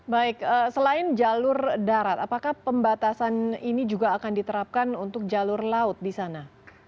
baik selain jalur darat apakah pembatasan ini juga akan diterapkan untuk jalur laut di sana